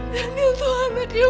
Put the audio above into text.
daniel tuh anaknya